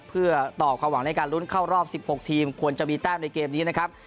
เพื่อต่อความหวังในการลุ้นเข้ารอบ๑๖ทีมควรจะมีแต้มในเกมนี้นะครับ